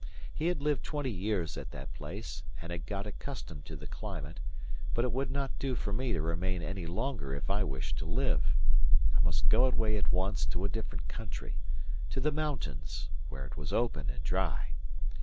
He had lived twenty years at that place, and had got accustomed to the climate, but it would not do for me to remain any longer if I wished to live. I must go away at once to a different country to the mountains, where it was open and dry.